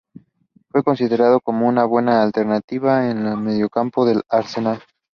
Fue considerado como una buena alternativa en el mediocampo del Arsenal.